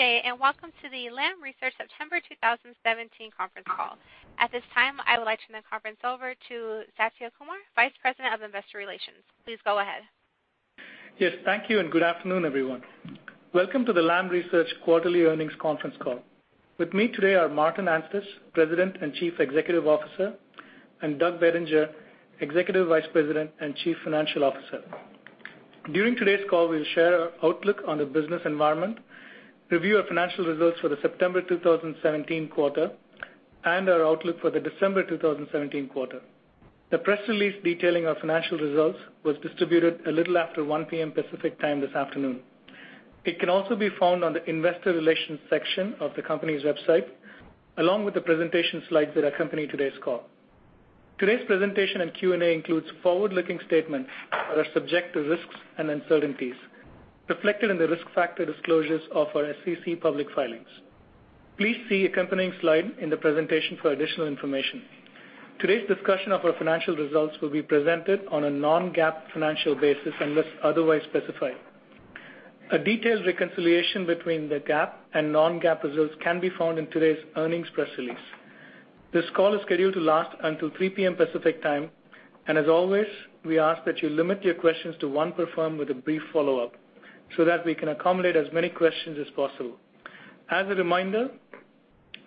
Good day. Welcome to the Lam Research September 2017 conference call. At this time, I would like to turn the conference over to Satya Kumar, Vice President of Investor Relations. Please go ahead. Yes, thank you. Good afternoon, everyone. Welcome to the Lam Research quarterly earnings conference call. With me today are Martin Anstice, President and Chief Executive Officer, and Douglas Bettinger, Executive Vice President and Chief Financial Officer. During today's call, we'll share our outlook on the business environment, review our financial results for the September 2017 quarter, and our outlook for the December 2017 quarter. The press release detailing our financial results was distributed a little after 1:00 P.M. Pacific Time this afternoon. It can also be found on the investor relations section of the company's website, along with the presentation slides that accompany today's call. Today's presentation and Q&A includes forward-looking statements that are subject to risks and uncertainties, reflected in the risk factor disclosures of our SEC public filings. Please see accompanying slide in the presentation for additional information. Today's discussion of our financial results will be presented on a non-GAAP financial basis unless otherwise specified. A detailed reconciliation between the GAAP and non-GAAP results can be found in today's earnings press release. This call is scheduled to last until 3:00 P.M. Pacific Time. As always, we ask that you limit your questions to one per firm with a brief follow-up so that we can accommodate as many questions as possible. As a reminder,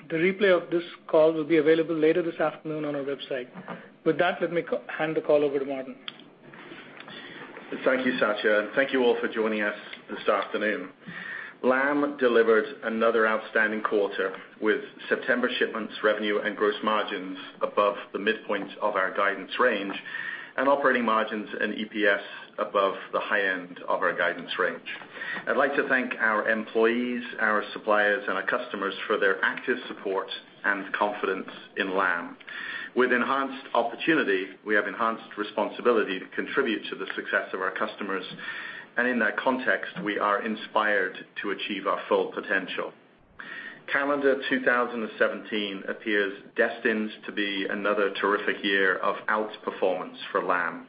the replay of this call will be available later this afternoon on our website. With that, let me hand the call over to Martin. Thank you, Satya. Thank you all for joining us this afternoon. Lam delivered another outstanding quarter with September shipments revenue and gross margins above the midpoint of our guidance range and operating margins and EPS above the high end of our guidance range. I'd like to thank our employees, our suppliers, and our customers for their active support and confidence in Lam. With enhanced opportunity, we have enhanced responsibility to contribute to the success of our customers. In that context, we are inspired to achieve our full potential. Calendar 2017 appears destined to be another terrific year of outperformance for Lam.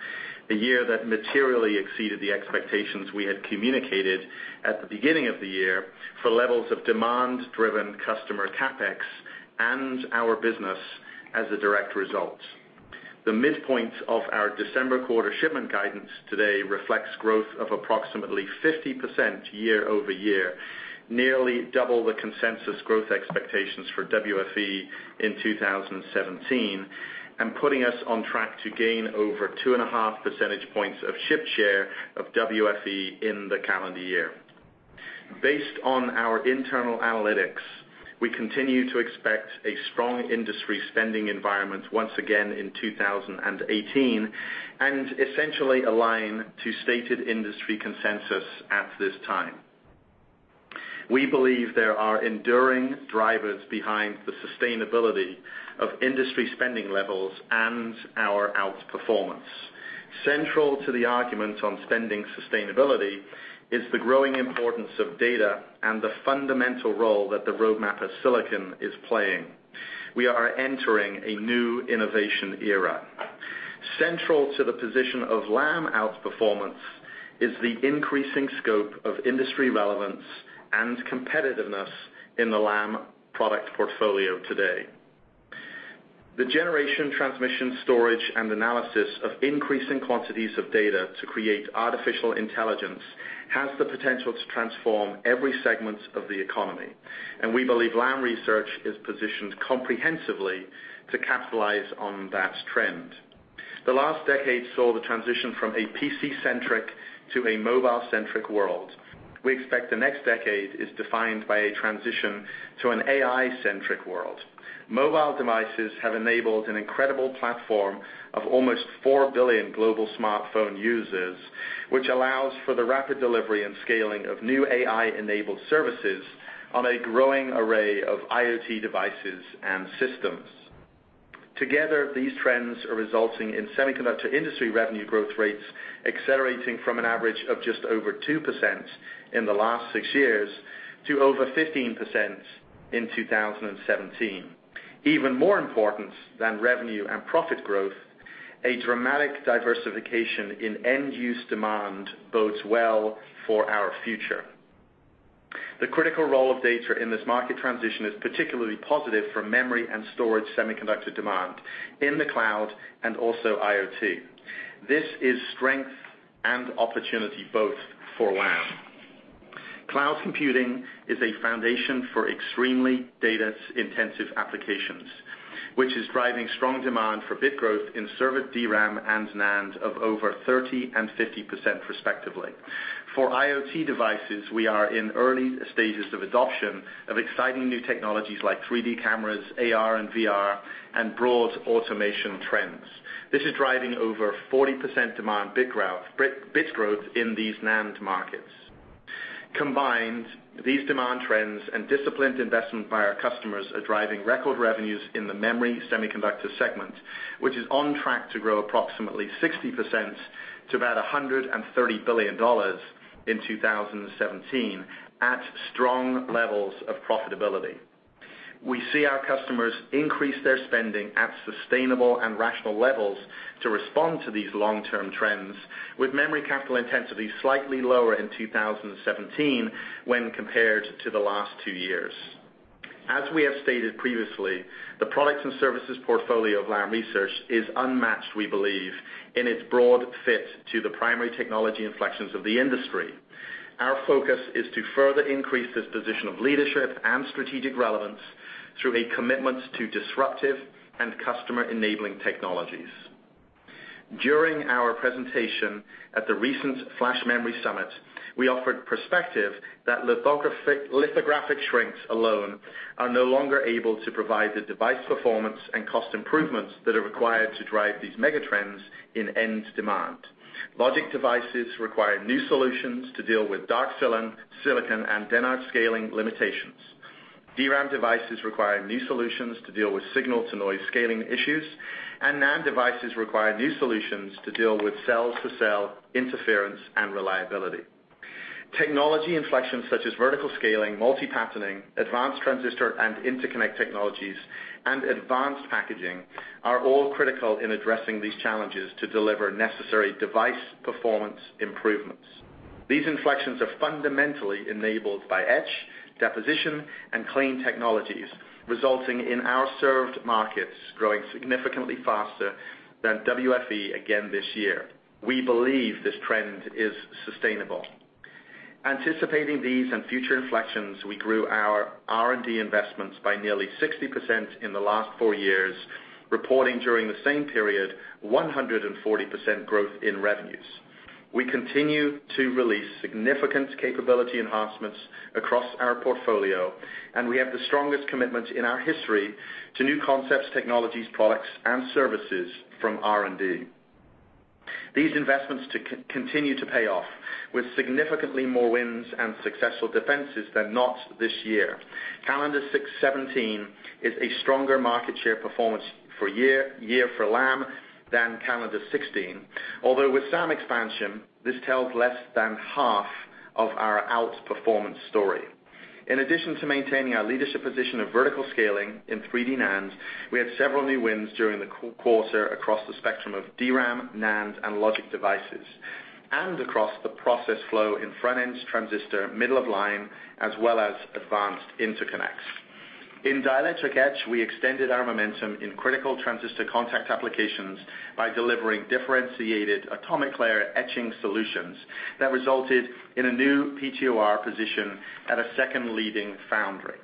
A year that materially exceeded the expectations we had communicated at the beginning of the year for levels of demand-driven customer CapEx and our business as a direct result. The midpoint of our December quarter shipment guidance today reflects growth of approximately 50% year-over-year, nearly double the consensus growth expectations for WFE in 2017, putting us on track to gain over two and a half percentage points of shift share of WFE in the calendar year. Based on our internal analytics, we continue to expect a strong industry spending environment once again in 2018 and essentially align to stated industry consensus at this time. We believe there are enduring drivers behind the sustainability of industry spending levels and our outperformance. Central to the argument on spending sustainability is the growing importance of data and the fundamental role that the roadmap of silicon is playing. We are entering a new innovation era. Central to the position of Lam outperformance is the increasing scope of industry relevance and competitiveness in the Lam product portfolio today. The generation, transmission, storage, and analysis of increasing quantities of data to create artificial intelligence has the potential to transform every segment of the economy. We believe Lam Research is positioned comprehensively to capitalize on that trend. The last decade saw the transition from a PC-centric to a mobile-centric world. We expect the next decade is defined by a transition to an AI-centric world. Mobile devices have enabled an incredible platform of almost 4 billion global smartphone users, which allows for the rapid delivery and scaling of new AI-enabled services on a growing array of IoT devices and systems. Together, these trends are resulting in semiconductor industry revenue growth rates accelerating from an average of just over 2% in the last six years to over 15% in 2017. Even more important than revenue and profit growth, a dramatic diversification in end-use demand bodes well for our future. The critical role of data in this market transition is particularly positive for memory and storage semiconductor demand in the cloud and also IoT. This is strength and opportunity both for Lam. Cloud computing is a foundation for extremely data-intensive applications, which is driving strong demand for bit growth in server DRAM and NAND of over 30% and 50% respectively. For IoT devices, we are in early stages of adoption of exciting new technologies like 3D cameras, AR and VR, and broad automation trends. This is driving over 40% demand bit growth in these NAND markets. Combined, these demand trends and disciplined investment by our customers are driving record revenues in the memory semiconductor segment, which is on track to grow approximately 60% to about $130 billion in 2017 at strong levels of profitability. We see our customers increase their spending at sustainable and rational levels to respond to these long-term trends, with memory capital intensity slightly lower in 2017 when compared to the last two years. As we have stated previously, the products and services portfolio of Lam Research is unmatched, we believe, in its broad fit to the primary technology inflections of the industry. Our focus is to further increase this position of leadership and strategic relevance through a commitment to disruptive and customer-enabling technologies. During our presentation at the recent Flash Memory Summit, we offered perspective that lithographic shrinks alone are no longer able to provide the device performance and cost improvements that are required to drive these mega trends in end demand. Logic devices require new solutions to deal with dark silicon and Dennard scaling limitations. DRAM devices require new solutions to deal with signal-to-noise scaling issues. NAND devices require new solutions to deal with cells to cell interference and reliability. Technology inflections such as vertical scaling, multi-patterning, advanced transistor and interconnect technologies, and advanced packaging are all critical in addressing these challenges to deliver necessary device performance improvements. These inflections are fundamentally enabled by etch, deposition, and clean technologies, resulting in our served markets growing significantly faster than WFE again this year. We believe this trend is sustainable. Anticipating these and future inflections, we grew our R&D investments by nearly 60% in the last four years, reporting during the same period 140% growth in revenues. We continue to release significant capability enhancements across our portfolio. We have the strongest commitment in our history to new concepts, technologies, products, and services from R&D. These investments continue to pay off with significantly more wins and successful defenses than not this year. Calendar '17 is a stronger market share performance year for Lam than Calendar 16. With some expansion, this tells less than half of our outperformance story. In addition to maintaining our leadership position of vertical scaling in 3D NAND, we had several new wins during the quarter across the spectrum of DRAM, NAND, and logic devices, and across the process flow in front-end transistor, middle of line, as well as advanced interconnects. In dielectric etch, we extended our momentum in critical transistor contact applications by delivering differentiated atomic layer etching solutions that resulted in a new POR position at a second leading foundry.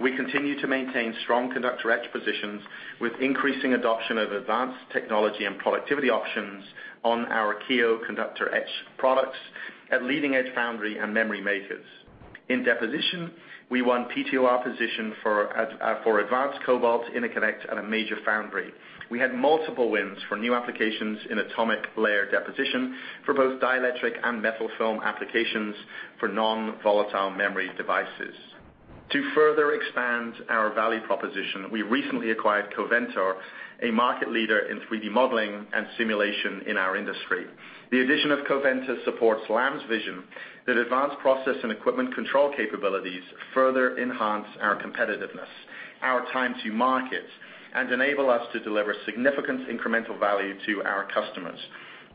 We continue to maintain strong conductor etch positions with increasing adoption of advanced technology and productivity options on our Kiyo conductor etch products at leading-edge foundry and memory makers. In deposition, we won POR position for advanced cobalt interconnect at a major foundry. We had multiple wins for new applications in atomic layer deposition for both dielectric and metal film applications for non-volatile memory devices. To further expand our value proposition, we recently acquired Coventor, a market leader in 3D modeling and simulation in our industry. The addition of Coventor supports Lam's vision that advanced process and equipment control capabilities further enhance our competitiveness, our time to market, and enable us to deliver significant incremental value to our customers.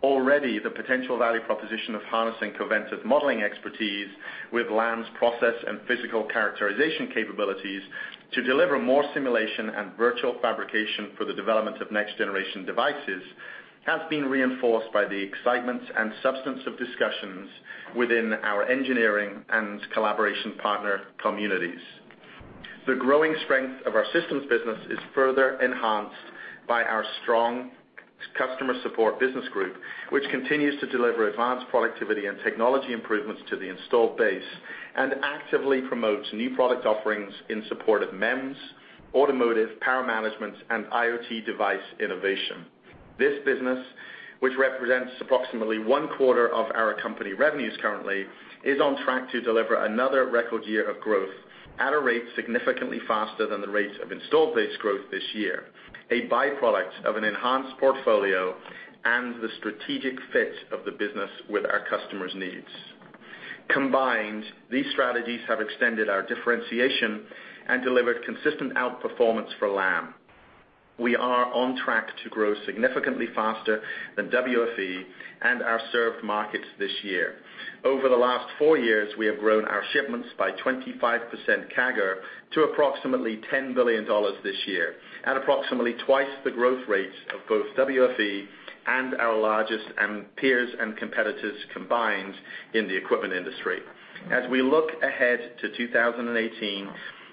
Already, the potential value proposition of harnessing Coventor's modeling expertise with Lam's process and physical characterization capabilities to deliver more simulation and virtual fabrication for the development of next-generation devices has been reinforced by the excitement and substance of discussions within our engineering and collaboration partner communities. The growing strength of our systems business is further enhanced by our strong customer support business group, which continues to deliver advanced productivity and technology improvements to the installed base and actively promotes new product offerings in support of MEMS, automotive, power management, and IoT device innovation. This business, which represents approximately one-quarter of our company revenues currently, is on track to deliver another record year of growth at a rate significantly faster than the rate of installed base growth this year, a byproduct of an enhanced portfolio and the strategic fit of the business with our customers' needs. Combined, these strategies have extended our differentiation and delivered consistent outperformance for Lam. We are on track to grow significantly faster than WFE and our served markets this year. Over the last four years, we have grown our shipments by 25% CAGR to approximately $10 billion this year, at approximately twice the growth rate of both WFE and our largest peers and competitors combined in the equipment industry. As we look ahead to 2018,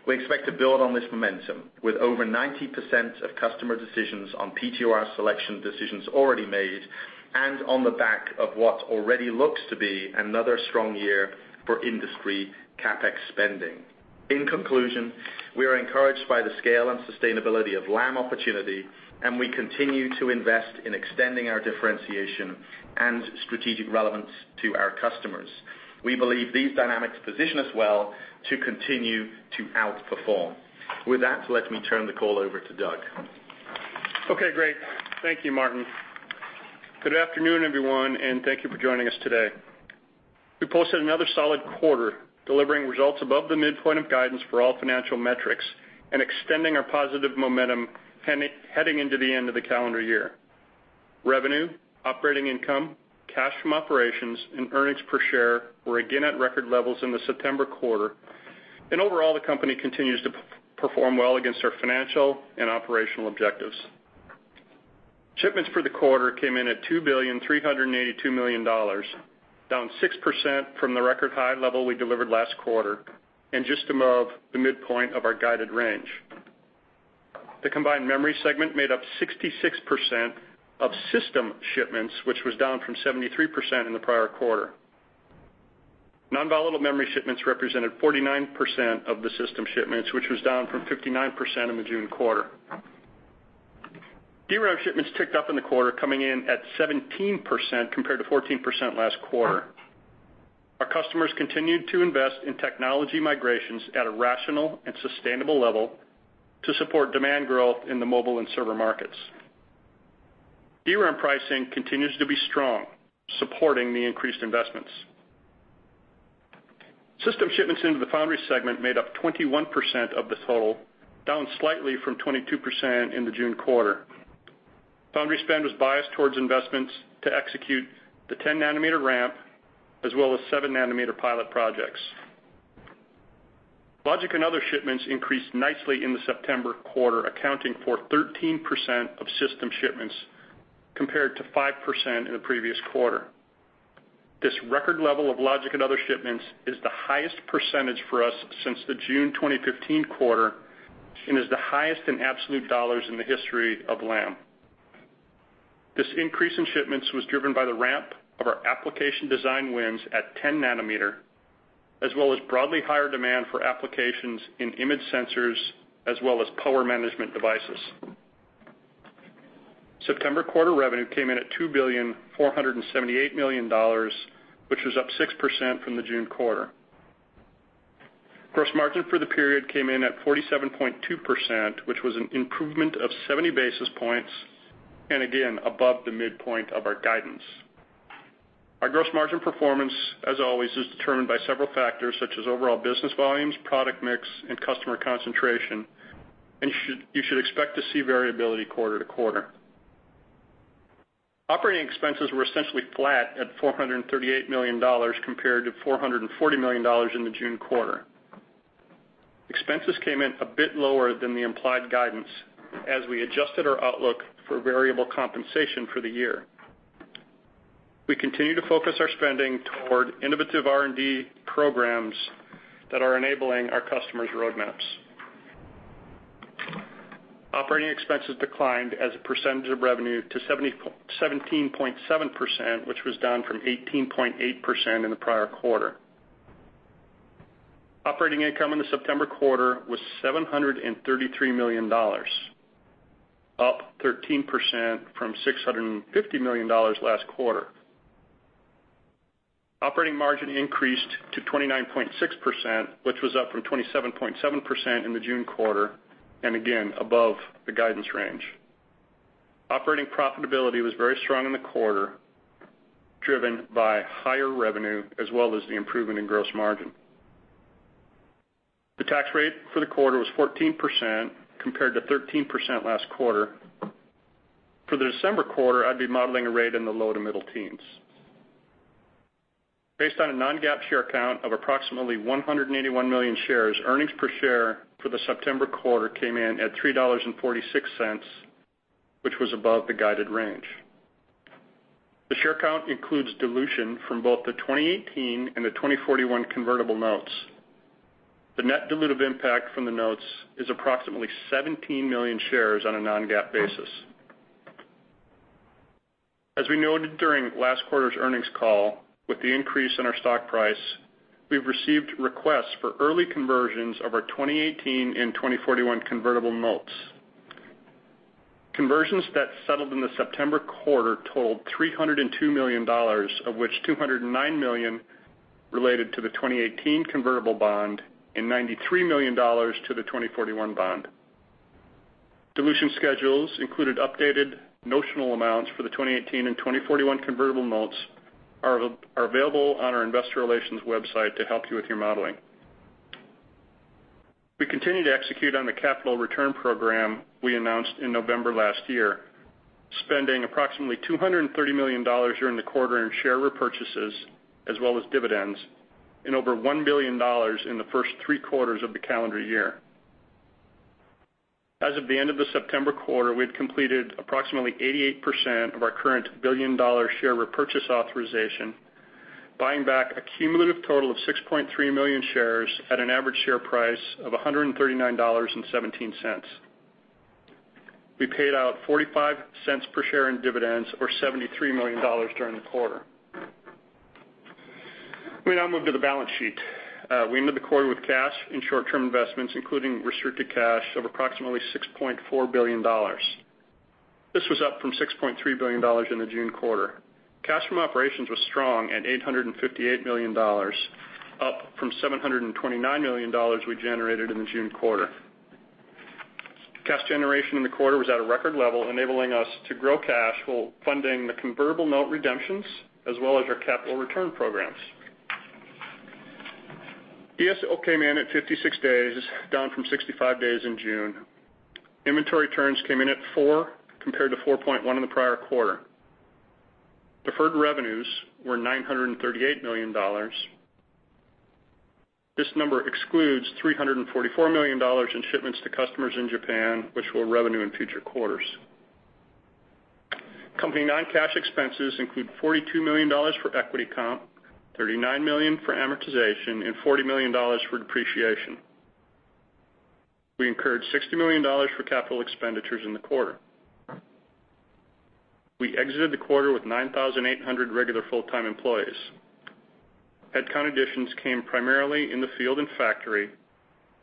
we expect to build on this momentum with over 90% of customer decisions on POR selection decisions already made and on the back of what already looks to be another strong year for industry CapEx spending. In conclusion, we are encouraged by the scale and sustainability of Lam opportunity, and we continue to invest in extending our differentiation and strategic relevance to our customers. We believe these dynamics position us well to continue to outperform. With that, let me turn the call over to Doug. Okay, great. Thank you, Martin. Good afternoon, everyone, and thank you for joining us today. We posted another solid quarter, delivering results above the midpoint of guidance for all financial metrics and extending our positive momentum heading into the end of the calendar year. Revenue, operating income, cash from operations, and earnings per share were again at record levels in the September quarter. Overall, the company continues to perform well against our financial and operational objectives. Shipments for the quarter came in at $2,382,000,000, down 6% from the record high level we delivered last quarter, and just above the midpoint of our guided range. The combined memory segment made up 66% of system shipments, which was down from 73% in the prior quarter. Non-volatile memory shipments represented 49% of the system shipments, which was down from 59% in the June quarter. DRAM shipments ticked up in the quarter, coming in at 17% compared to 14% last quarter. Our customers continued to invest in technology migrations at a rational and sustainable level to support demand growth in the mobile and server markets. DRAM pricing continues to be strong, supporting the increased investments. System shipments into the foundry segment made up 21% of the total, down slightly from 22% in the June quarter. Foundry spend was biased towards investments to execute the 10-nanometer ramp as well as 7-nanometer pilot projects. Logic and other shipments increased nicely in the September quarter, accounting for 13% of system shipments, compared to 5% in the previous quarter. This record level of logic and other shipments is the highest percentage for us since the June 2015 quarter, and is the highest in absolute dollars in the history of Lam. This increase in shipments was driven by the ramp of our application design wins at 10-nanometer, as well as broadly higher demand for applications in image sensors, as well as power management devices. September quarter revenue came in at $2,478,000,000, which was up 6% from the June quarter. Gross margin for the period came in at 47.2%, which was an improvement of 70 basis points, and again, above the midpoint of our guidance. Our gross margin performance, as always, is determined by several factors such as overall business volumes, product mix, and customer concentration, and you should expect to see variability quarter to quarter. Operating expenses were essentially flat at $438 million compared to $440 million in the June quarter. Expenses came in a bit lower than the implied guidance as we adjusted our outlook for variable compensation for the year. We continue to focus our spending toward innovative R&D programs that are enabling our customers' roadmaps. Operating expenses declined as a percentage of revenue to 17.7%, which was down from 18.8% in the prior quarter. Operating income in the September quarter was $733 million, up 13% from $650 million last quarter. Operating margin increased to 29.6%, which was up from 27.7% in the June quarter, and again, above the guidance range. Operating profitability was very strong in the quarter, driven by higher revenue as well as the improvement in gross margin. The tax rate for the quarter was 14% compared to 13% last quarter. For the December quarter, I'd be modeling a rate in the low to middle teens. Based on a non-GAAP share count of approximately 181 million shares, earnings per share for the September quarter came in at $3.46, which was above the guided range. The share count includes dilution from both the 2018 and the 2041 convertible notes. The net dilutive impact from the notes is approximately 17 million shares on a non-GAAP basis. As we noted during last quarter's earnings call, with the increase in our stock price, we've received requests for early conversions of our 2018 and 2041 convertible notes. Conversions that settled in the September quarter totaled $302 million, of which $209 million related to the 2018 convertible bond and $93 million to the 2041 bond. Dilution schedules included updated notional amounts for the 2018 and 2041 convertible notes are available on our investor relations website to help you with your modeling. We continue to execute on the capital return program we announced in November last year, spending approximately $230 million during the quarter in share repurchases as well as dividends, and over $1 billion in the first three quarters of the calendar year. As of the end of the September quarter, we had completed approximately 88% of our current billion-dollar share repurchase authorization, buying back a cumulative total of 6.3 million shares at an average share price of $139.17. We paid out $0.45 per share in dividends, or $73 million during the quarter. Let me now move to the balance sheet. We ended the quarter with cash and short-term investments, including restricted cash of approximately $6.4 billion. This was up from $6.3 billion in the June quarter. Cash from operations was strong at $858 million, up from $729 million we generated in the June quarter. Cash generation in the quarter was at a record level, enabling us to grow cash while funding the convertible note redemptions as well as our capital return programs. DSO came in at 56 days, down from 65 days in June. Inventory turns came in at four, compared to 4.1 in the prior quarter. Deferred revenues were $938 million. This number excludes $344 million in shipments to customers in Japan, which will revenue in future quarters. Company non-cash expenses include $42 million for equity comp, $39 million for amortization, and $40 million for depreciation. We incurred $60 million for capital expenditures in the quarter. We exited the quarter with 9,800 regular full-time employees. Headcount additions came primarily in the field and factory,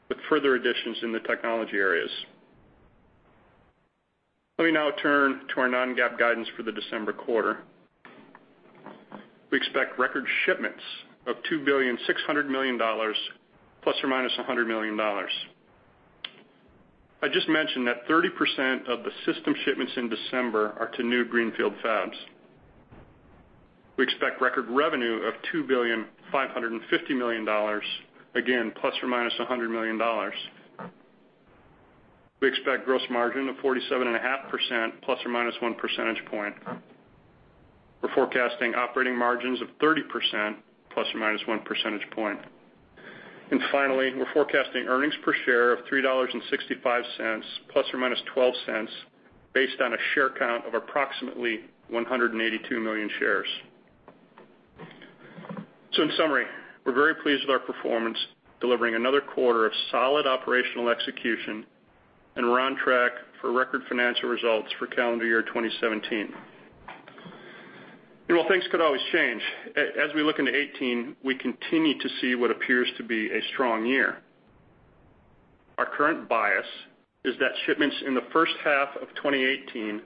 with further additions in the technology areas. Let me now turn to our non-GAAP guidance for the December quarter. We expect record shipments of $2.6 billion, plus or minus $100 million. I just mentioned that 30% of the system shipments in December are to new greenfield fabs. We expect record revenue of $2.55 billion, again, plus or minus $100 million. We expect gross margin of 47.5%, plus or minus one percentage point. We're forecasting operating margins of 30%, plus or minus one percentage point. Finally, we're forecasting earnings per share of $3.65, plus or minus $0.12, based on a share count of approximately 182 million shares. In summary, we're very pleased with our performance, delivering another quarter of solid operational execution, and we're on track for record financial results for Calendar year 2017. While things could always change, as we look into 2018, we continue to see what appears to be a strong year. Our current bias is that shipments in the first half of 2018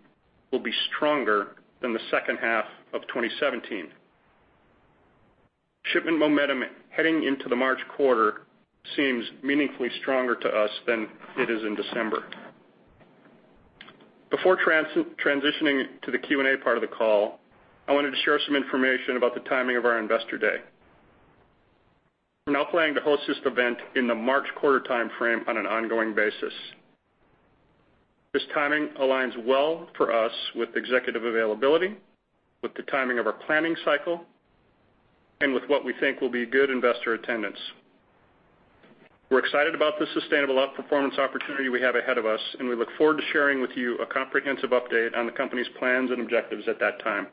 will be stronger than the second half of 2017. Shipment momentum heading into the March quarter seems meaningfully stronger to us than it is in December. Before transitioning to the Q&A part of the call, I wanted to share some information about the timing of our investor day. We're now planning to host this event in the March quarter timeframe on an ongoing basis. This timing aligns well for us with executive availability, with the timing of our planning cycle, and with what we think will be good investor attendance. We're excited about the sustainable outperformance opportunity we have ahead of us, and we look forward to sharing with you a comprehensive update on the company's plans and objectives at that time.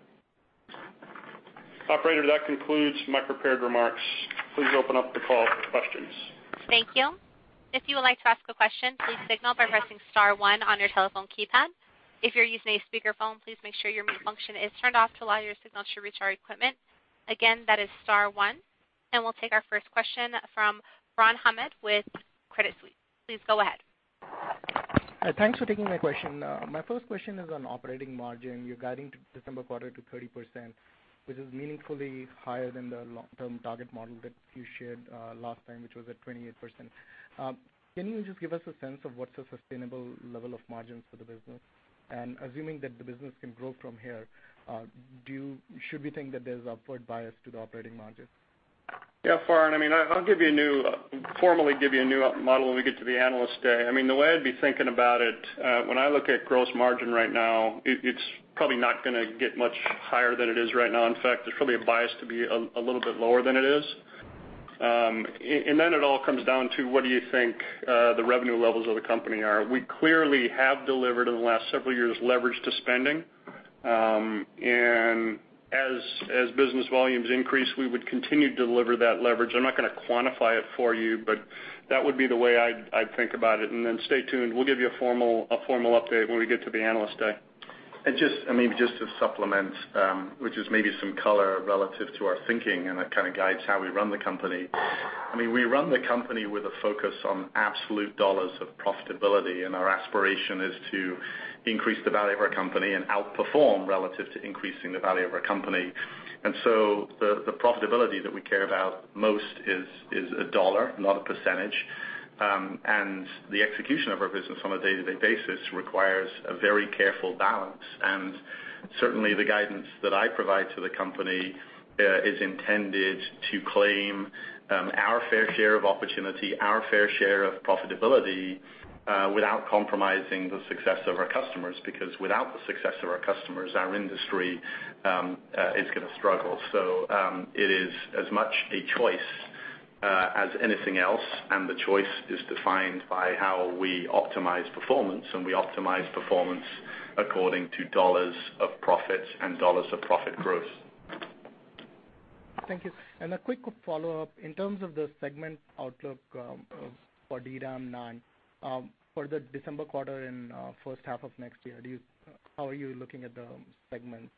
which is meaningfully higher than the long-term target model that you shared last time, which was at 28%. Can you just give us a sense of what's a sustainable level of margins for the business? Assuming that the business can grow from here, should we think that there's upward bias to the operating margin? Farhan, I'll formally give you a new model when we get to the analyst day. The way I'd be thinking about it, when I look at gross margin right now, it's probably not going to get much higher than it is right now. In fact, there's probably a bias to be a little bit lower than it is. It all comes down to, what do you think the revenue levels of the company are? We clearly have delivered in the last several years leverage to spending. As business volumes increase, we would continue to deliver that leverage. I'm not going to quantify it for you, but that would be the way I'd think about it. Stay tuned. We'll give you a formal update when we get to the analyst day. Just to supplement, which is maybe some color relative to our thinking, and that kind of guides how we run the company. We run the company with a focus on absolute dollars of profitability, and our aspiration is to increase the value of our company and outperform relative to increasing the value of our company. The profitability that we care about most is a dollar, not a percentage. The execution of our business on a day-to-day basis requires a very careful balance. Certainly, the guidance that I provide to the company is intended to claim our fair share of opportunity, our fair share of profitability, without compromising the success of our customers, because without the success of our customers, our industry is going to struggle. It is as much a choice as anything else, and the choice is defined by how we optimize performance, and we optimize performance according to dollars of profits and dollars of profit growth. Thank you. A quick follow-up. In terms of the segment outlook for DRAM NAND, for the December quarter and first half of next year, how are you looking at the segments?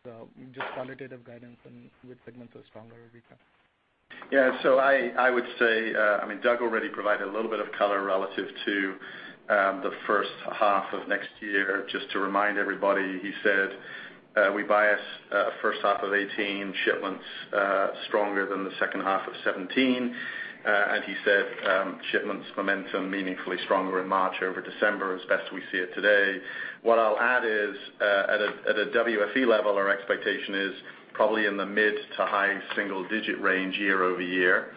Just qualitative guidance and which segments are stronger where we can. I would say, Doug already provided a little bit of color relative to the first half of next year. Just to remind everybody, he said, "We bias first half of 2018 shipments stronger than the second half of 2017." He said, "Shipments momentum meaningfully stronger in March over December as best we see it today." What I'll add is, at a WFE level, our expectation is probably in the mid to high single-digit range year-over-year.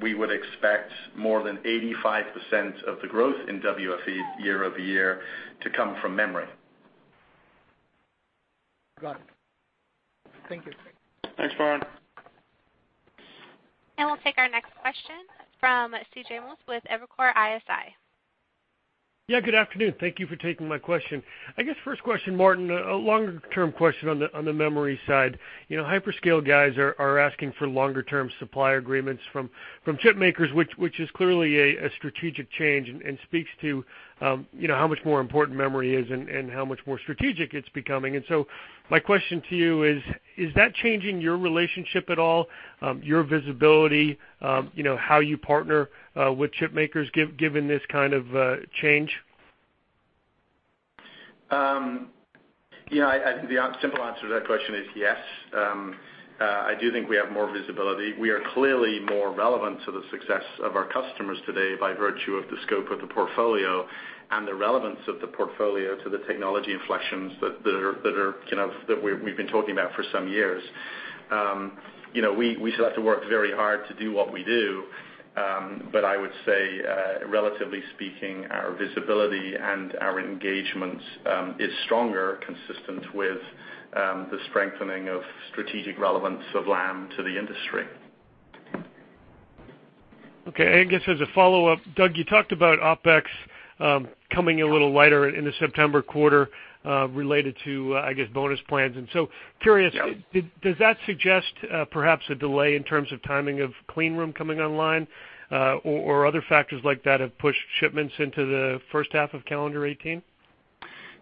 We would expect more than 85% of the growth in WFE year-over-year to come from memory. Got it. Thank you. Thanks, Farhan. We'll take our next question from C.J. Muse with Evercore ISI. Good afternoon. Thank you for taking my question. I guess first question, Martin, a longer-term question on the memory side. Hyperscale guys are asking for longer-term supply agreements from chip makers, which is clearly a strategic change and speaks to how much more important memory is and how much more strategic it's becoming. My question to you is that changing your relationship at all, your visibility, how you partner with chip makers given this kind of change? The simple answer to that question is yes. I do think we have more visibility. We are clearly more relevant to the success of our customers today by virtue of the scope of the portfolio and the relevance of the portfolio to the technology inflections that we've been talking about for some years. We still have to work very hard to do what we do. I would say, relatively speaking, our visibility and our engagement is stronger, consistent with the strengthening of strategic relevance of Lam to the industry. Okay. I guess as a follow-up, Doug, you talked about OpEx coming in a little lighter in the September quarter, related to, I guess, bonus plans. Curious? Yep Does that suggest perhaps a delay in terms of timing of clean room coming online, or other factors like that have pushed shipments into the first half of Calendar '18?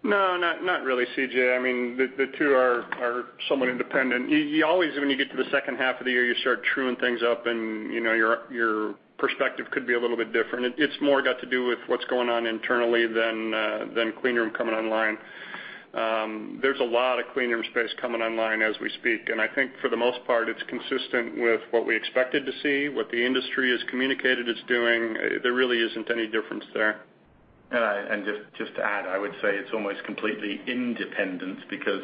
No, not really, CJ. The two are somewhat independent. You always, when you get to the second half of the year, you start truing things up and your perspective could be a little bit different. It's more got to do with what's going on internally than clean room coming online. There's a lot of clean room space coming online as we speak, and I think for the most part, it's consistent with what we expected to see, what the industry has communicated it's doing. There really isn't any difference there. All right. Just to add, I would say it's almost completely independent because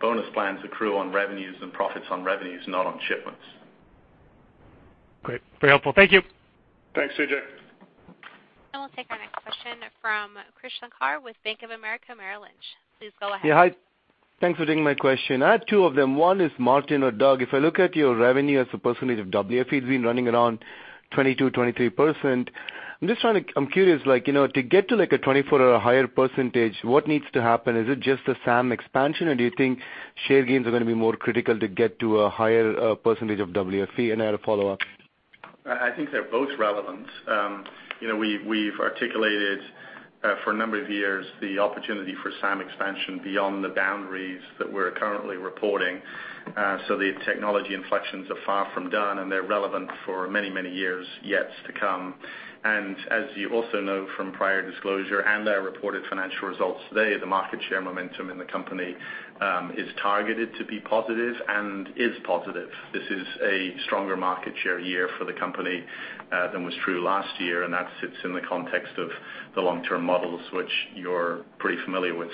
bonus plans accrue on revenues and profits on revenues, not on shipments. Great. Very helpful. Thank you. Thanks, CJ. We'll take our next question from Krish Sankar with Bank of America Merrill Lynch. Please go ahead. Yeah, hi. Thanks for taking my question. I have two of them. One is, Martin or Doug, if I look at your revenue as a percentage of WFE, it's been running around 22%, 23%. I'm curious, to get to a 24% or a higher percentage, what needs to happen? Is it just the SAM expansion, or do you think share gains are going to be more critical to get to a higher percentage of WFE? I have a follow-up. I think they're both relevant. We've articulated for a number of years the opportunity for SAM expansion beyond the boundaries that we're currently reporting. The technology inflections are far from done, and they're relevant for many, many years yet to come. As you also know from prior disclosure and our reported financial results today, the market share momentum in the company is targeted to be positive and is positive. This is a stronger market share year for the company than was true last year, and that sits in the context of the long-term models, which you're pretty familiar with.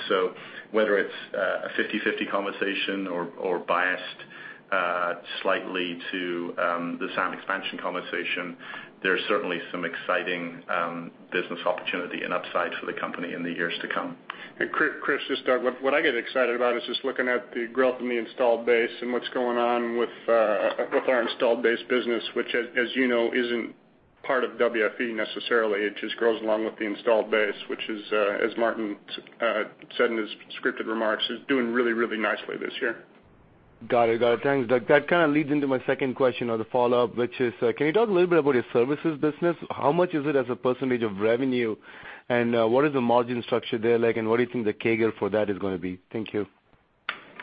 Whether it's a 50/50 conversation or biased slightly to the SAM expansion conversation, there's certainly some exciting business opportunity and upside for the company in the years to come. Krish, this is Doug. What I get excited about is just looking at the growth in the installed base and what's going on with our installed base business, which, as you know, isn't part of WFE necessarily. It just grows along with the installed base, which is, as Martin said in his scripted remarks, is doing really, really nicely this year. Got it. Thanks, Doug. That kind of leads into my second question or the follow-up, which is, can you talk a little bit about your services business? How much is it as a percentage of revenue, and what is the margin structure there like, and what do you think the CAGR for that is going to be? Thank you.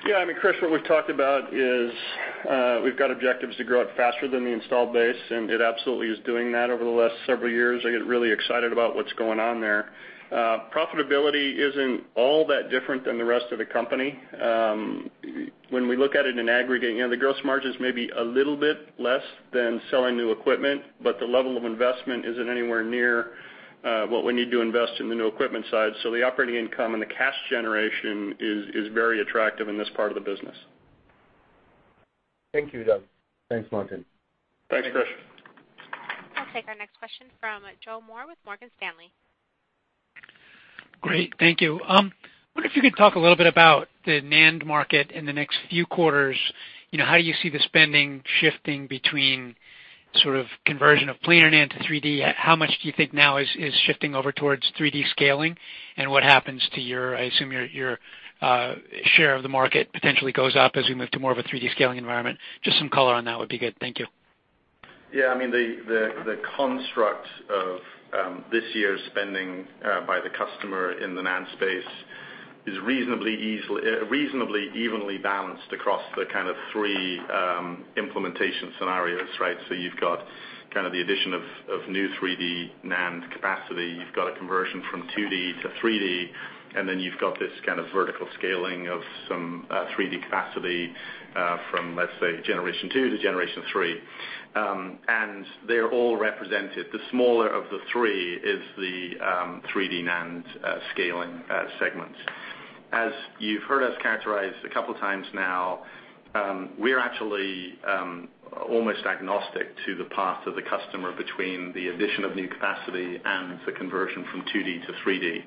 Krish, what we've talked about is we've got objectives to grow it faster than the installed base. It absolutely is doing that over the last several years. I get really excited about what's going on there. Profitability isn't all that different than the rest of the company. When we look at it in aggregate, the gross margins may be a little bit less than selling new equipment, but the level of investment isn't anywhere near what we need to invest in the new equipment side. The operating income and the cash generation is very attractive in this part of the business. Thank you, Doug. Thanks, Martin. Thanks, Krish. I'll take our next question from Joe Moore with Morgan Stanley. Great. Thank you. Wonder if you could talk a little bit about the NAND market in the next few quarters. How do you see the spending shifting between sort of conversion of planar NAND to 3D? How much do you think now is shifting over towards 3D scaling? What happens to your, I assume your share of the market potentially goes up as we move to more of a 3D scaling environment. Just some color on that would be good. Thank you. Yeah, the construct of this year's spending by the customer in the NAND space is reasonably evenly balanced across the three implementation scenarios, right? You've got the addition of new 3D NAND capacity, you've got a conversion from 2D to 3D, then you've got this vertical scaling of some 3D capacity from, let's say, generation 2 to generation 3. They're all represented. The smaller of the three is the 3D NAND scaling segment. As you've heard us characterize a couple of times now, we're actually almost agnostic to the path of the customer between the addition of new capacity and the conversion from 2D to 3D.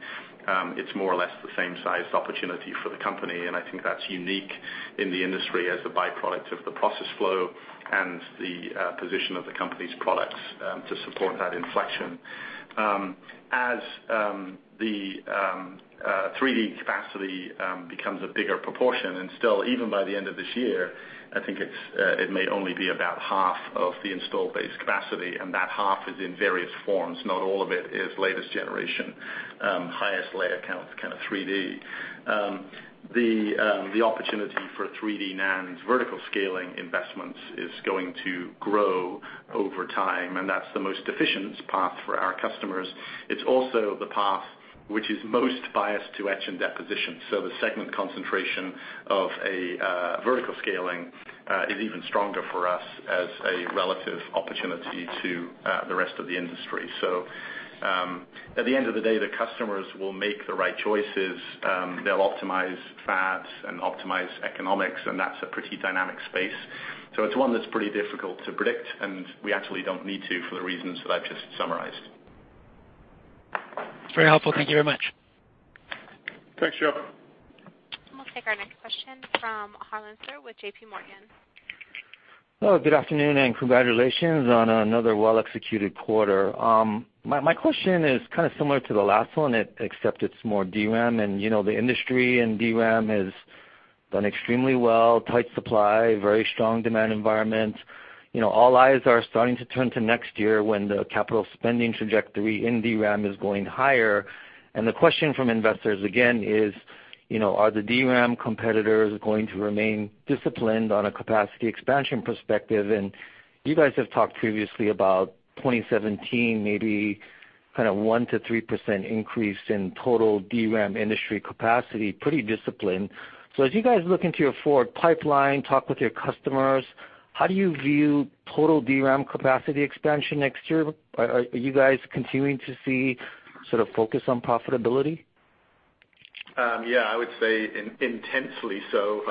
It's more or less the same size opportunity for the company, I think that's unique in the industry as a byproduct of the process flow and the position of the company's products to support that inflection. As the 3D capacity becomes a bigger proportion, still, even by the end of this year, I think it may only be about half of the install base capacity, that half is in various forms. Not all of it is latest generation, highest layer count kind of 3D. The opportunity for 3D NAND vertical scaling investments is going to grow over time, that's the most efficient path for our customers. It's also the path which is most biased to etch and deposition. The segment concentration of a vertical scaling is even stronger for us as a relative opportunity to the rest of the industry. At the end of the day, the customers will make the right choices. They'll optimize fabs and optimize economics, that's a pretty dynamic space. It's one that's pretty difficult to predict, and we actually don't need to for the reasons that I've just summarized. Very helpful. Thank you very much. Thanks, Joe. We'll take our next question from Harlan Sur with J.P. Morgan. Hello, good afternoon, and congratulations on another well-executed quarter. My question is kind of similar to the last one, except it's more DRAM. The industry and DRAM has done extremely well, tight supply, very strong demand environment. All eyes are starting to turn to next year when the capital spending trajectory in DRAM is going higher, and the question from investors again is, are the DRAM competitors going to remain disciplined on a capacity expansion perspective? You guys have talked previously about 2017, maybe kind of 1%-3% increase in total DRAM industry capacity, pretty disciplined. As you guys look into your forward pipeline, talk with your customers, how do you view total DRAM capacity expansion next year? Are you guys continuing to see sort of focus on profitability? I would say intensely so.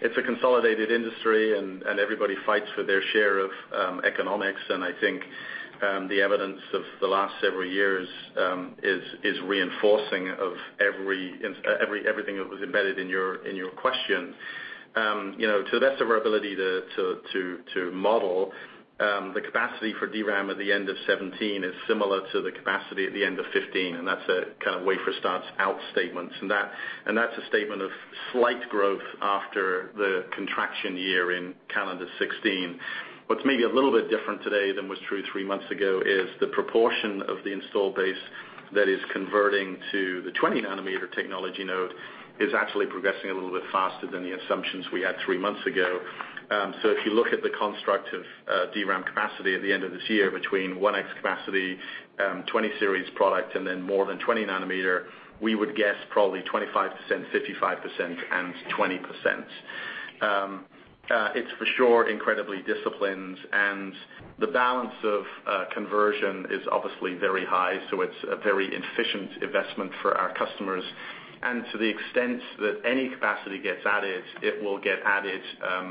It's a consolidated industry, and everybody fights for their share of economics, and I think the evidence of the last several years is reinforcing of everything that was embedded in your question. To the best of our ability to model the capacity for DRAM at the end of 2017 is similar to the capacity at the end of 2015, and that's a kind of wafer starts out statements. That's a statement of slight growth after the contraction year in Calendar 2016. What's maybe a little bit different today than was true three months ago is the proportion of the install base that is converting to the 20 nanometer technology node is actually progressing a little bit faster than the assumptions we had three months ago. If you look at the construct of DRAM capacity at the end of this year between 1X capacity, 20 series product, and then more than 20 nanometer, we would guess probably 25%, 55%, and 20%. It's for sure incredibly disciplined, and the balance of conversion is obviously very high, so it's a very efficient investment for our customers. To the extent that any capacity gets added, it will get added,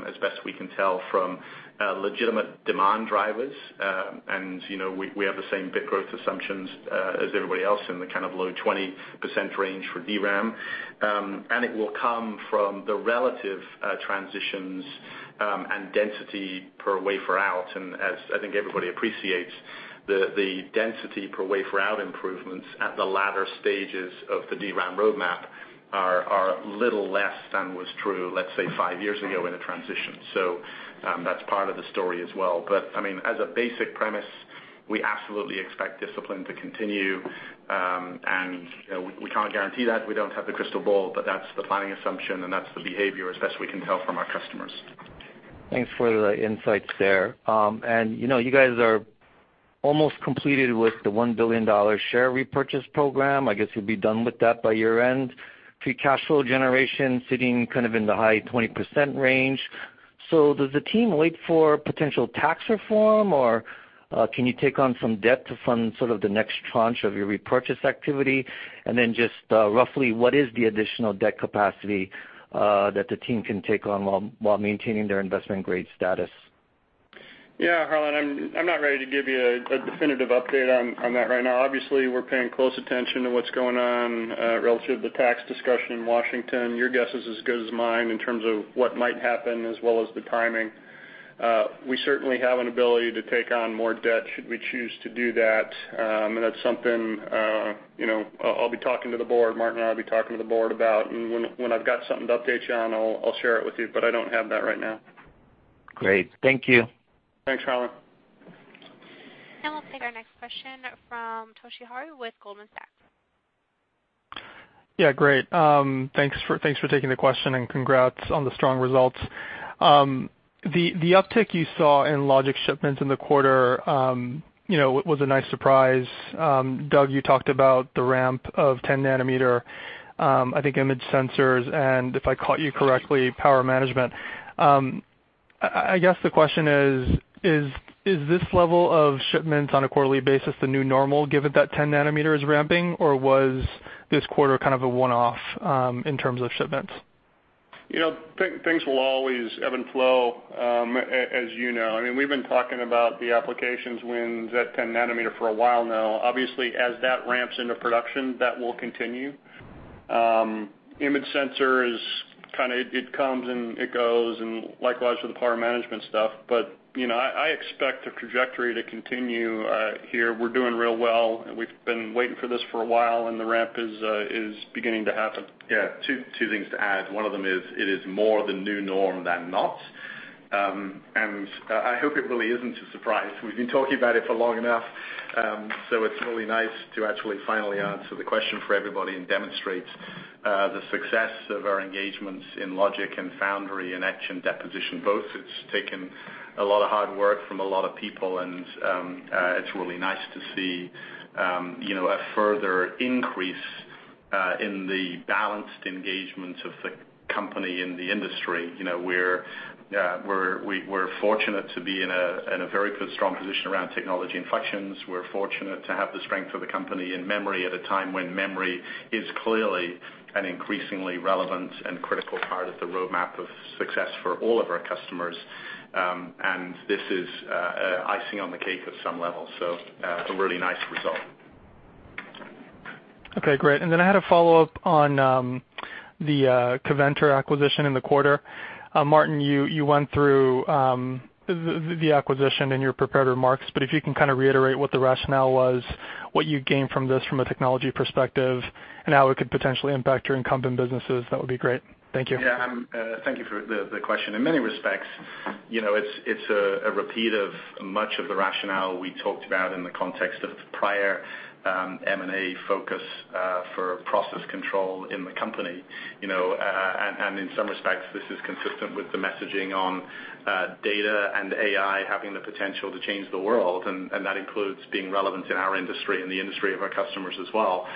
as best we can tell, from legitimate demand drivers. We have the same bit growth assumptions as everybody else in the kind of low 20% range for DRAM. It will come from the relative transitions and density per wafer out, and as I think everybody appreciates, the density per wafer out improvements at the latter stages of the DRAM roadmap are little less than was true, let's say, five years ago in a transition. That's part of the story as well. As a basic premise, we absolutely expect discipline to continue, and we can't guarantee that, we don't have the crystal ball, but that's the planning assumption, and that's the behavior as best we can tell from our customers. Thanks for the insights there. You guys are almost completed with the $1 billion share repurchase program. I guess you'll be done with that by year-end. Free cash flow generation sitting kind of in the high 20% range. Does the team wait for potential tax reform, or can you take on some debt to fund sort of the next tranche of your repurchase activity? Then just roughly, what is the additional debt capacity that the team can take on while maintaining their investment-grade status? Yeah, Harlan, I'm not ready to give you a definitive update on that right now. Obviously, we're paying close attention to what's going on relative to the tax discussion in Washington. Your guess is as good as mine in terms of what might happen as well as the timing. We certainly have an ability to take on more debt should we choose to do that. That's something I'll be talking to the board, Martin and I will be talking to the board about, and when I've got something to update you on, I'll share it with you, but I don't have that right now. Great. Thank you. Thanks, Harlan. We'll take our next question from Toshiya Hari with Goldman Sachs. Yeah, great. Thanks for taking the question, and congrats on the strong results. The uptick you saw in logic shipments in the quarter was a nice surprise. Doug, you talked about the ramp of 10 nanometer, I think image sensors, and if I caught you correctly, power management. I guess the question is: Is this level of shipments on a quarterly basis the new normal given that 10 nanometer is ramping, or was this quarter kind of a one-off in terms of shipments? Things will always ebb and flow, as you know. We've been talking about the applications when that 10 nanometer for a while now. Obviously, as that ramps into production, that will continue. Image sensor is kind of it comes and it goes, likewise for the power management stuff. I expect the trajectory to continue here. We're doing real well. We've been waiting for this for a while, the ramp is beginning to happen. Yeah, two things to add. One of them is, it is more the new norm than not. I hope it really isn't a surprise. We've been talking about it for long enough, it's really nice to actually finally answer the question for everybody and demonstrate the success of our engagements in logic and foundry, etch and deposition both. It's taken a lot of hard work from a lot of people, it's really nice to see a further increase in the balanced engagement of the company in the industry. We're fortunate to be in a very good, strong position around technology inflections. We're fortunate to have the strength of the company in memory at a time when memory is clearly an increasingly relevant and critical part of the roadmap of success for all of our customers, this is icing on the cake at some level. A really nice result. Okay, great. I had a follow-up on the Coventor acquisition in the quarter. Martin, you went through the acquisition in your prepared remarks. If you can kind of reiterate what the rationale was, what you gained from this from a technology perspective, and how it could potentially impact your incumbent businesses, that would be great. Thank you. Yeah. Thank you for the question. In many respects, it's a repeat of much of the rationale we talked about in the context of prior M&A focus for process control in the company. In some respects, this is consistent with the messaging on data and AI having the potential to change the world, and that includes being relevant in our industry and the industry of our customers as well.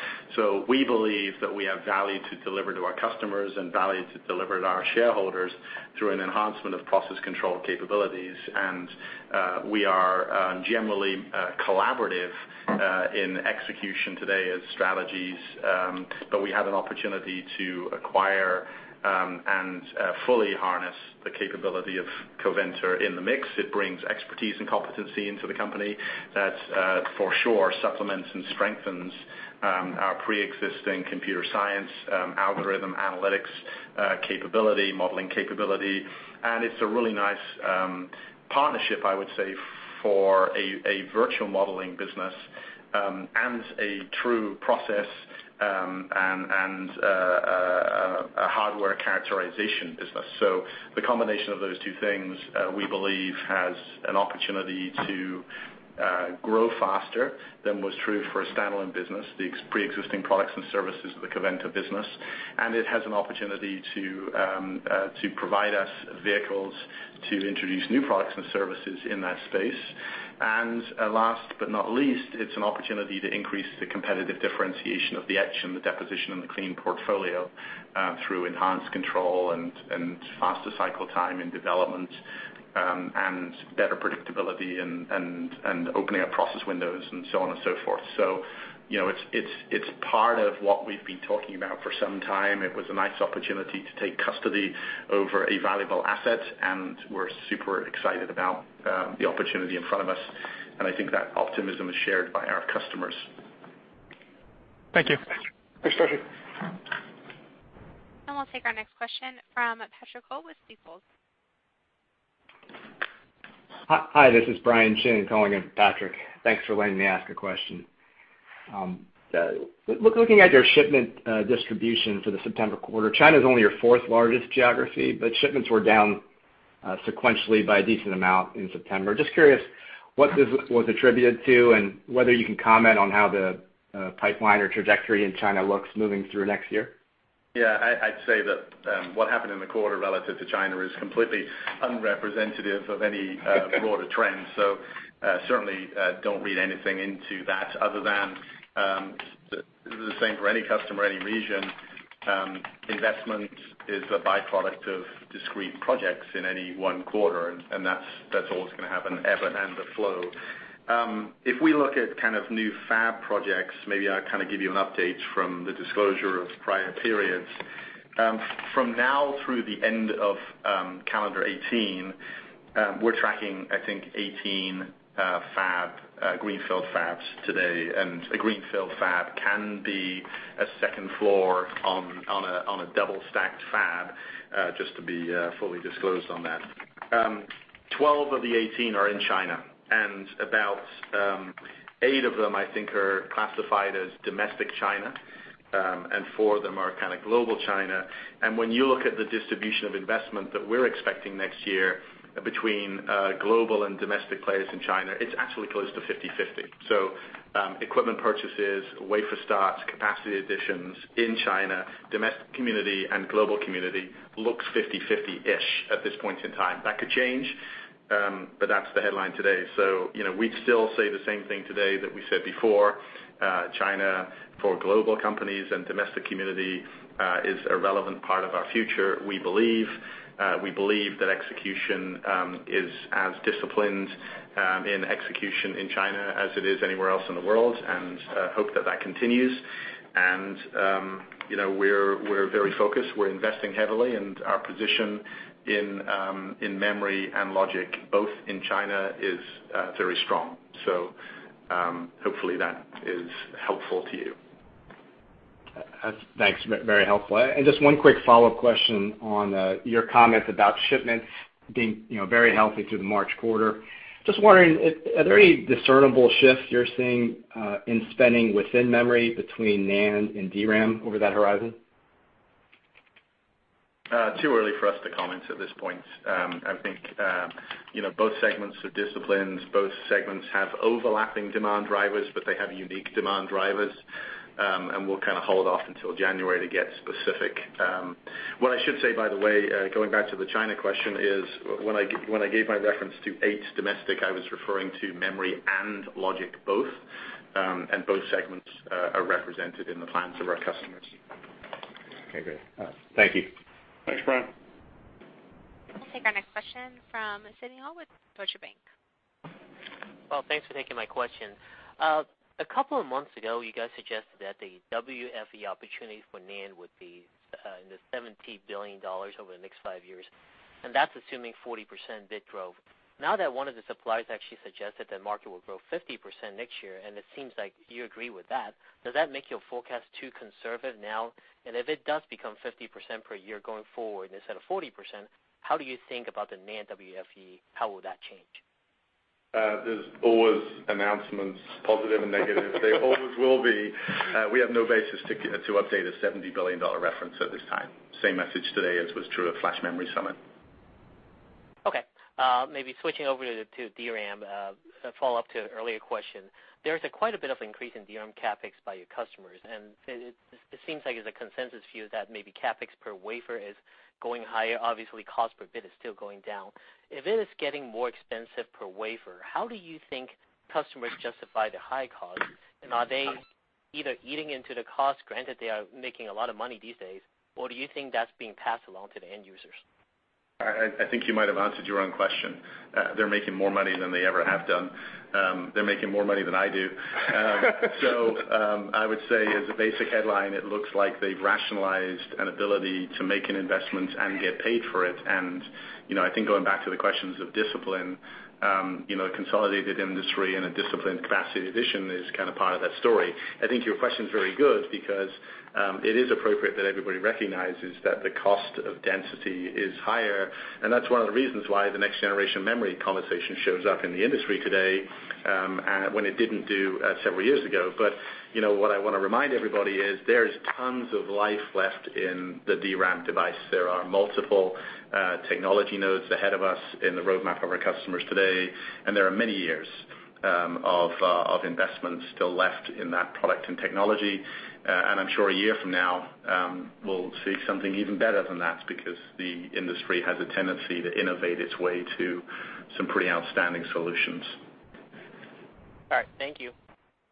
We believe that we have value to deliver to our customers and value to deliver to our shareholders through an enhancement of process control capabilities. We are generally collaborative in execution today as strategies. We had an opportunity to acquire and fully harness the capability of Coventor in the mix. It brings expertise and competency into the company that for sure supplements and strengthens our preexisting computer science algorithm analytics capability, modeling capability, and it's a really nice partnership, I would say, for a virtual modeling business and a true process and a hardware characterization business. The combination of those two things we believe has an opportunity to grow faster than was true for a standalone business, the preexisting products and services of the Coventor business, and it has an opportunity to provide us vehicles to introduce new products and services in that space. Last but not least, it's an opportunity to increase the competitive differentiation of the etch and the deposition and the clean portfolio through enhanced control and faster cycle time in development, and better predictability and opening up process windows, and so on and so forth. It's part of what we've been talking about for some time. It was a nice opportunity to take custody over a valuable asset, and we're super excited about the opportunity in front of us, and I think that optimism is shared by our customers. Thank you. Thanks, Toshi. We'll take our next question from Patrick Ho with Stifel. Hi, this is Brian Chin calling in for Patrick. Thanks for letting me ask a question. Looking at your shipment distribution for the September quarter, China's only your fourth largest geography, but shipments were down sequentially by a decent amount in September. Just curious what this was attributed to and whether you can comment on how the pipeline or trajectory in China looks moving through next year. Yeah. I'd say that what happened in the quarter relative to China is completely unrepresentative of any broader trends. Certainly don't read anything into that other than the same for any customer, any region. Investment is a byproduct of discrete projects in any one quarter, and that's always going to have an ebb and a flow. If we look at kind of new fab projects, maybe I kind of give you an update from the disclosure of prior periods. From now through the end of Calendar '18, we're tracking, I think 18 greenfield fabs today, and a greenfield fab can be a second floor on a double-stacked fab, just to be fully disclosed on that. 12 of the 18 are in China, and about eight of them, I think, are classified as domestic China, and four of them are kind of global China. When you look at the distribution of investment that we're expecting next year between global and domestic players in China, it's actually close to 50-50. Equipment purchases, wafer starts, capacity additions in China, domestic community, and global community looks 50-50-ish at this point in time. That could change, but that's the headline today. We'd still say the same thing today that we said before, China, for global companies and domestic community, is a relevant part of our future. We believe that execution is as disciplined in execution in China as it is anywhere else in the world, and hope that that continues. We're very focused. We're investing heavily, and our position in memory and logic, both in China, is very strong. Hopefully that is helpful to you. Thanks, very helpful. Just one quick follow-up question on your comments about shipments being very healthy through the March quarter. Just wondering, are there any discernible shifts you're seeing in spending within memory between NAND and DRAM over that horizon? Too early for us to comment at this point. I think both segments are disciplines. Both segments have overlapping demand drivers, but they have unique demand drivers. We'll kind of hold off until January to get specific. What I should say, by the way, going back to the China question, is when I gave my reference to eight domestic, I was referring to memory and logic both, and both segments are represented in the plans of our customers. Okay, great. Thank you. Thanks, Brian. We'll take our next question from Sidney Ho with Deutsche Bank. Well, thanks for taking my question. A couple of months ago, you guys suggested that the WFE opportunities for NAND would be in the $70 billion over the next five years, and that's assuming 40% bit growth. Now that one of the suppliers actually suggested that market will grow 50% next year, and it seems like you agree with that, does that make your forecast too conservative now? If it does become 50% per year going forward instead of 40%, how do you think about the NAND WFE? How will that change? There's always announcements, positive and negative. They always will be. We have no basis to update a $70 billion reference at this time. Same message today as was true at Flash Memory Summit. Okay. Maybe switching over to DRAM, a follow-up to an earlier question. There is quite a bit of increase in DRAM CapEx by your customers, it seems like it's a consensus view that maybe CapEx per wafer is going higher. Obviously, cost per bit is still going down. If it is getting more expensive per wafer, how do you think customers justify the high cost? Are they either eating into the cost, granted they are making a lot of money these days, or do you think that's being passed along to the end users? I think you might have answered your own question. They're making more money than they ever have done. They're making more money than I do. I would say as a basic headline, it looks like they've rationalized an ability to make an investment and get paid for it. I think going back to the questions of discipline, a consolidated industry and a disciplined capacity addition is kind of part of that story. I think your question's very good because it is appropriate that everybody recognizes that the cost of density is higher, and that's one of the reasons why the next-generation memory conversation shows up in the industry today, when it didn't do several years ago. What I want to remind everybody is there is tons of life left in the DRAM device. There are multiple technology nodes ahead of us in the roadmap of our customers today, there are many years of investments still left in that product and technology. I'm sure a year from now, we'll see something even better than that because the industry has a tendency to innovate its way to some pretty outstanding solutions. All right. Thank you.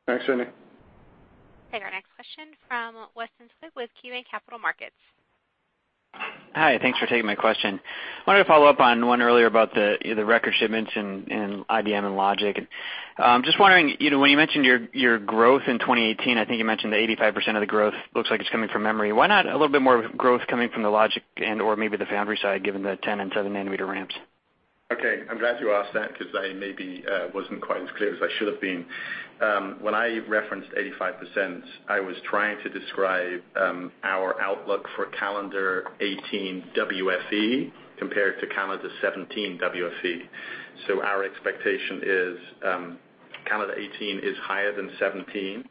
Thanks, Sidney. Take our next question from Weston Twigg with KeyBanc Capital Markets. Hi. Thanks for taking my question. I wanted to follow up on one earlier about the record shipments in IDM and Logic. Just wondering, when you mentioned your growth in 2018, I think you mentioned that 85% of the growth looks like it's coming from memory. Why not a little bit more growth coming from the logic and/or maybe the foundry side, given the 10- and 7-nanometer ramps? Okay. I'm glad you asked that because I maybe wasn't quite as clear as I should've been. When I referenced 85%, I was trying to describe our outlook for Calendar '18 WFE compared to Calendar '17 WFE. Our expectation is Calendar '18 is higher than '17.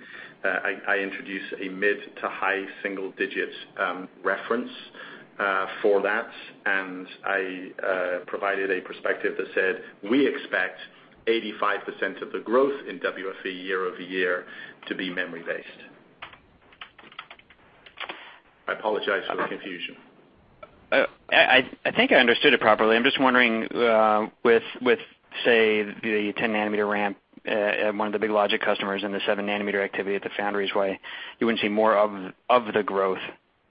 I introduced a mid to high single digits reference for that, and I provided a perspective that said we expect 85% of the growth in WFE year-over-year to be memory-based. I apologize for the confusion. I think I understood it properly. I'm just wondering, with, say, the 10-nanometer ramp at one of the big Logic customers and the 7-nanometer activity at the foundries, you wouldn't see more of the growth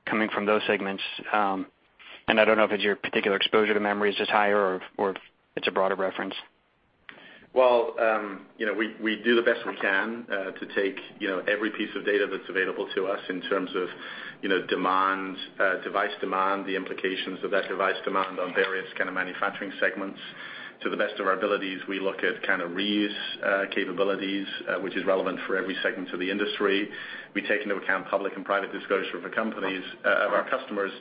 coming from those segments. I don't know if it's your particular exposure to memory is just higher or if it's a broader reference. Well, we do the best we can to take every piece of data that's available to us in terms of device demand, the implications of that device demand on various kind of manufacturing segments. To the best of our abilities, we look at kind of reuse capabilities, which is relevant for every segment of the industry. We take into account public and private disclosure of our customers,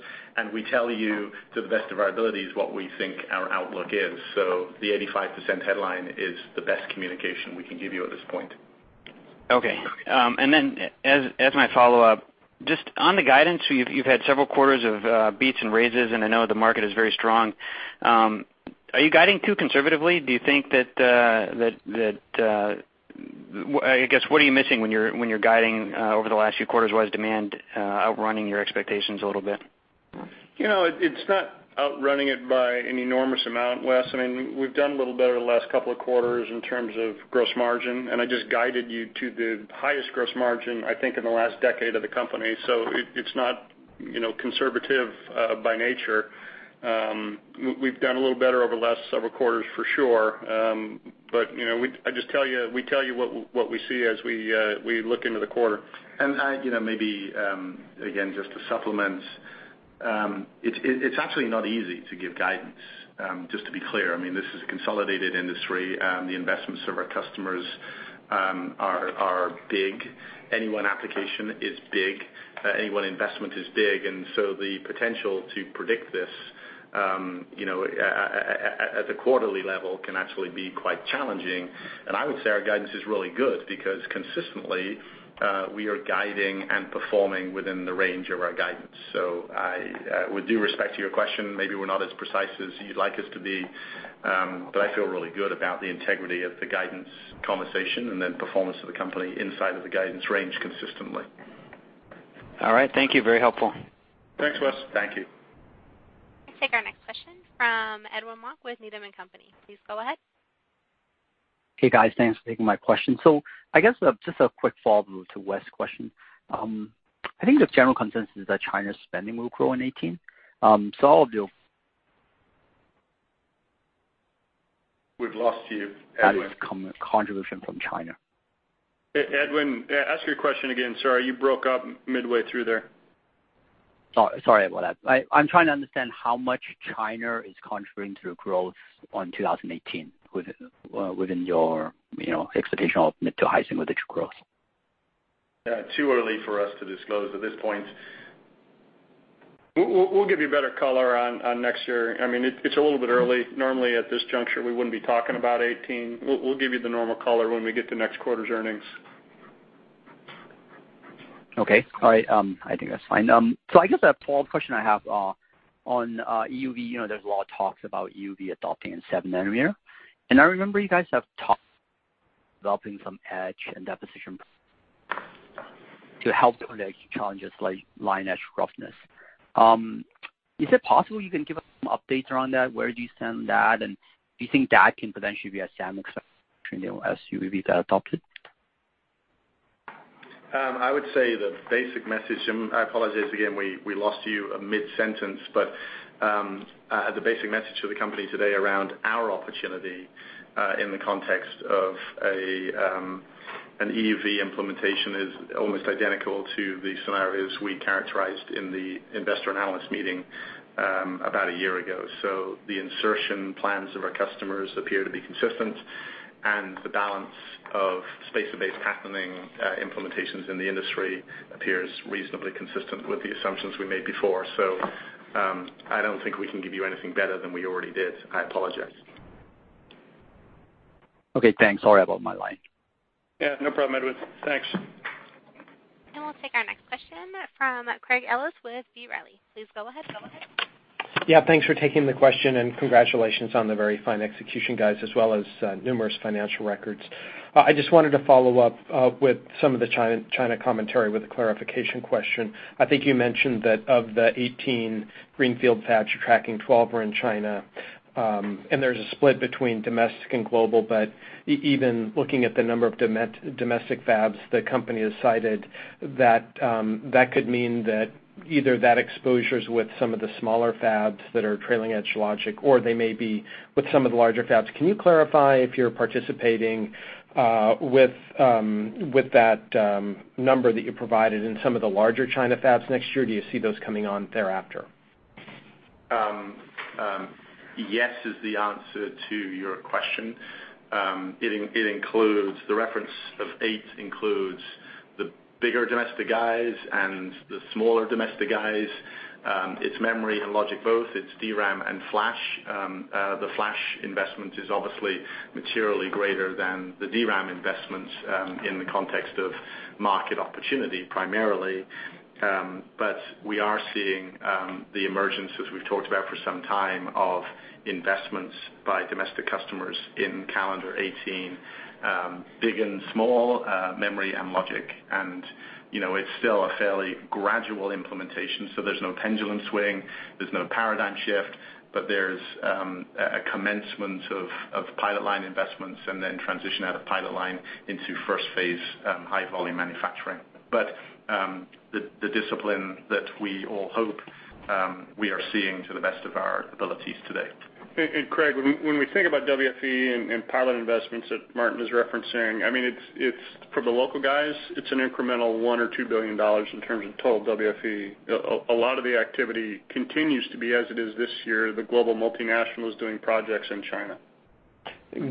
we tell you to the best of our abilities what we think our outlook is. The 85% headline is the best communication we can give you at this point. Okay. As my follow-up, just on the guidance, you've had several quarters of beats and raises, and I know the market is very strong. Are you guiding too conservatively? I guess, what are you missing when you're guiding over the last few quarters, why is demand outrunning your expectations a little bit? It's not outrunning it by an enormous amount, Wes. We've done a little better the last couple of quarters in terms of gross margin, I just guided you to the highest gross margin, I think, in the last decade of the company. It's not conservative by nature. We've done a little better over the last several quarters for sure. We tell you what we see as we look into the quarter. Maybe, again, just to supplement. It's actually not easy to give guidance, just to be clear. This is a consolidated industry. The investments of our customers are big. Any one application is big. Any one investment is big. The potential to predict this at the quarterly level can actually be quite challenging. I would say our guidance is really good because consistently, we are guiding and performing within the range of our guidance. With due respect to your question, maybe we're not as precise as you'd like us to be. I feel really good about the integrity of the guidance conversation, and then performance of the company inside of the guidance range consistently. All right. Thank you. Very helpful. Thanks, Wes. Thank you. We'll take our next question from Edwin Mok with Needham & Company. Please go ahead. Hey, guys. Thanks for taking my question. I guess just a quick follow-up to Wes' question. I think the general consensus is that China's spending will grow in 2018. We've lost you, Edwin contribution from China. Edwin, ask your question again. Sorry, you broke up midway through there. Sorry about that. I'm trying to understand how much China is contributing to growth on 2018 within your expectation of mid to high single-digit growth. Too early for us to disclose at this point. We'll give you better color on next year. It's a little bit early. Normally, at this juncture, we wouldn't be talking about 2018. We'll give you the normal color when we get to next quarter's earnings. Okay. All right. I think that's fine. I guess a follow-up question I have on EUV, there's a lot of talks about EUV adopting a 7 nanometer, and I remember you guys have talked developing some etch and deposition to help with the challenges like line edge roughness. Is it possible you can give us some updates around that? Where do you stand on that? And do you think that can potentially be a SAM expansion as EUV adopted? I would say the basic message, and I apologize again, we lost you mid-sentence, but the basic message for the company today around our opportunity, in the context of an EUV implementation, is almost identical to the scenarios we characterized in the investor analysis meeting about a year ago. The insertion plans of our customers appear to be consistent, and the balance of spacer-based patterning implementations in the industry appears reasonably consistent with the assumptions we made before. I don't think we can give you anything better than we already did. I apologize. Okay, thanks. Sorry about my line. Yeah, no problem, Edwin. Thanks. We'll take our next question from Craig Ellis with B. Riley. Please go ahead. Yeah, thanks for taking the question, congratulations on the very fine execution, guys, as well as numerous financial records. I just wanted to follow up with some of the China commentary with a clarification question. I think you mentioned that of the 18 greenfield fabs you're tracking, 12 are in China, there's a split between domestic and global. Even looking at the number of domestic fabs the company has cited, that could mean that either that exposure's with some of the smaller fabs that are trailing-edge logic, or they may be with some of the larger fabs. Can you clarify if you're participating with that number that you provided in some of the larger China fabs next year? Do you see those coming on thereafter? Yes is the answer to your question. The reference of eight includes the bigger domestic guys and the smaller domestic guys. It's memory and logic both. It's DRAM and flash. The flash investment is obviously materially greater than the DRAM investments in the context of market opportunity, primarily. We are seeing the emergence, as we've talked about for some time, of investments by domestic customers in Calendar '18, big and small, memory and logic. It's still a fairly gradual implementation, so there's no pendulum swing. There's no paradigm shift. There's a commencement of pilot line investments and then transition out of pilot line into first-phase, high-volume manufacturing. The discipline that we all hope we are seeing to the best of our abilities today. Craig, when we think about WFE and pilot investments that Martin is referencing, for the local guys, it's an incremental $1 or $2 billion in terms of total WFE. A lot of the activity continues to be as it is this year, the global multinationals doing projects in China.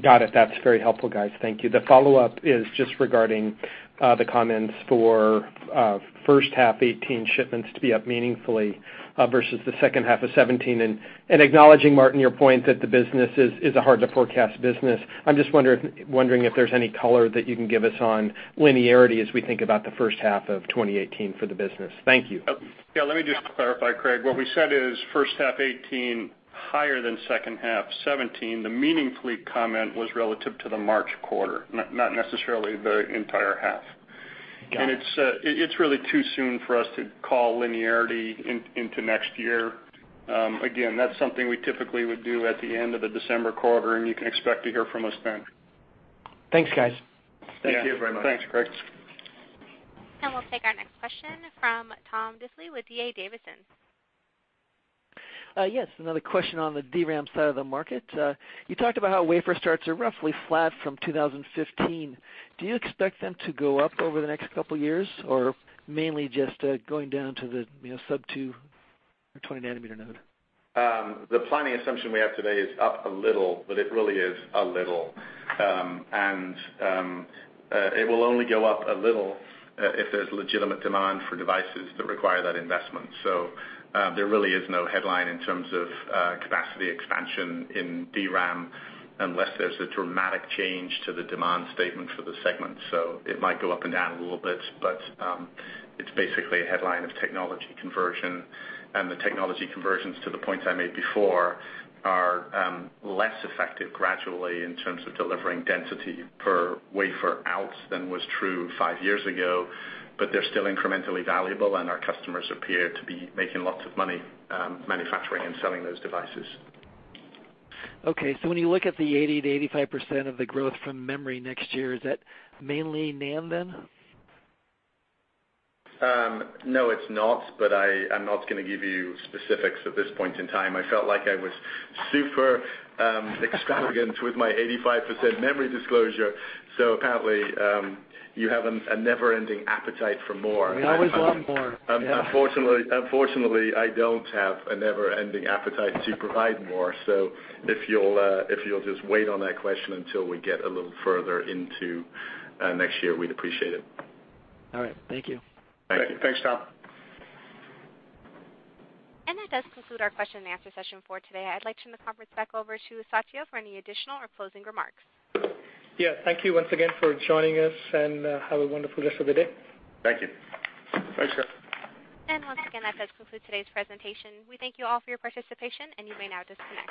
Got it. That's very helpful, guys. Thank you. The follow-up is just regarding the comments for first half 2018 shipments to be up meaningfully versus the second half of 2017, acknowledging, Martin, your point that the business is a hard-to-forecast business. I'm just wondering if there's any color that you can give us on linearity as we think about the first half of 2018 for the business. Thank you. Yeah, let me just clarify, Craig. What we said is first half 2018 higher than second half 2017. The meaningfully comment was relative to the March quarter, not necessarily the entire half. Got it. It's really too soon for us to call linearity into next year. Again, that's something we typically would do at the end of the December quarter, and you can expect to hear from us then. Thanks, guys. Thank you very much. Thanks, Craig. We'll take our next question from Tom Diffely with D.A. Davidson. Yes, another question on the DRAM side of the market. You talked about how wafer starts are roughly flat from 2015. Do you expect them to go up over the next couple of years, or mainly just going down to the sub-two or 20 nanometer node? The planning assumption we have today is up a little, but it really is a little. It will only go up a little if there's legitimate demand for devices that require that investment. There really is no headline in terms of capacity expansion in DRAM unless there's a dramatic change to the demand statement for the segment. It might go up and down a little bit, but it's basically a headline of technology conversion, and the technology conversions to the points I made before are less effective gradually in terms of delivering density per wafer outs than was true five years ago. They're still incrementally valuable, and our customers appear to be making lots of money manufacturing and selling those devices. When you look at the 80%-85% of the growth from memory next year, is that mainly NAND then? No, it's not. I'm not going to give you specifics at this point in time. I felt like I was super extravagant with my 85% memory disclosure. Apparently, you have a never-ending appetite for more. We always want more. Yeah. Unfortunately, I don't have a never-ending appetite to provide more. If you'll just wait on that question until we get a little further into next year, we'd appreciate it. All right. Thank you. Thank you. Thanks, Tom. That does conclude our question and answer session for today. I'd like to turn the conference back over to Satya for any additional or closing remarks. Yeah. Thank you once again for joining us, have a wonderful rest of the day. Thank you. Thanks. Once again, that does conclude today's presentation. We thank you all for your participation, and you may now disconnect.